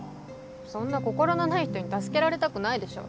そんな心のない人に助けられたくないでしょ。